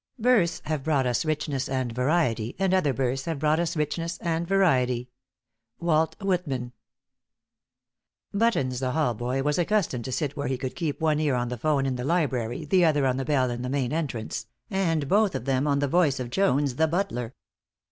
* Births have brought us richness and variety, and other births have brought us richness and variety. Walt Whitman. Buttons, the hall boy was accustomed to sit where he could keep one ear on the 'phone in the library, the other on the bell in the main entrance, and both of them on the voice of Jones, the butler.